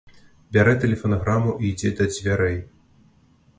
Бярэ тэлефанаграму і ідзе да дзвярэй.